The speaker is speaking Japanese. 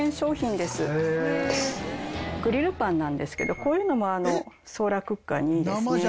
グリルパンなんですけどこういうのもソーラークッカーにいいですね。